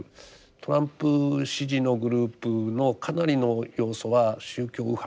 トランプ支持のグループのかなりの要素は宗教右派ですね。